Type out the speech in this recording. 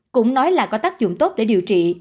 cũng nói là có tác dụng tốt để điều trị